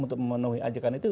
untuk memenuhi ajakan itu